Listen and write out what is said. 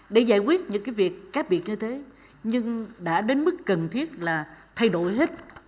để giải quyết những cái việc khác biệt như thế nhưng đã đến mức cần thiết là thay đổi hết